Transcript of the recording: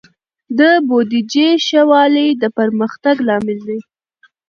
د بودیجې ښه والی د پرمختګ لامل دی.